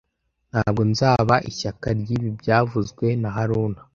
Ntabwo nzaba ishyaka ryibi byavuzwe na haruna